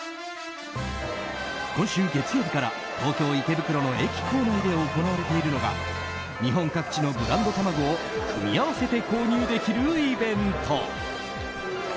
今週月曜日から東京・池袋の駅構内で行われているのが日本各地のブランド卵を組み合わせて購入できるイベント。